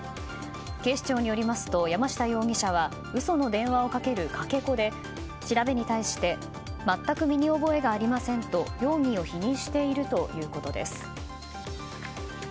警視庁によりますと山下容疑者は嘘の電話をかけるかけ子で調べに対して全く身に覚えがありませんと容疑を否認しているということです。